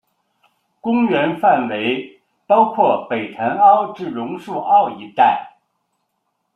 公园范围包括北潭凹至榕树澳一带。